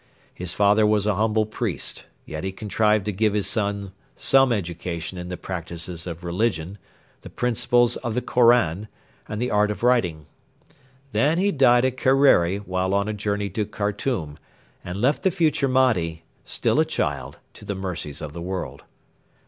His father was a humble priest; yet he contrived to give his son some education in the practices of religion, the principles of the Koran, and the art of writing. Then he died at Kerreri while on a journey to Khartoum, and left the future Mahdi, still a child, to the mercies of the world.